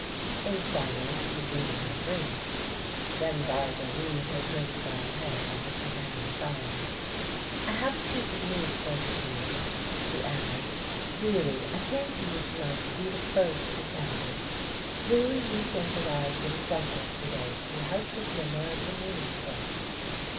In silence Eugenia agreed. Then Barbara leaned her curly brown head on her companion's arm. "I have a piece of news for you, Gene," she added. "Really, I came to you tonight to be the first to tell you. Who do you think arrived in Brussels today to help with the American Relief work?"